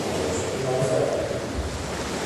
ارزښتونه وساتئ.